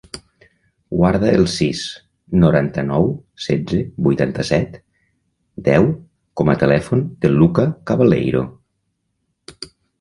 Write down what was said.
Guarda el sis, noranta-nou, setze, vuitanta-set, deu com a telèfon del Lucca Cabaleiro.